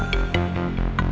masa kamu kalah sama tony